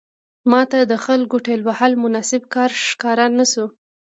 ماته د خلکو ټېل وهل مناسب کار ښکاره نه شو.